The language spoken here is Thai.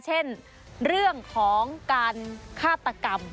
เช่นเรื่องของการฆาตกรรม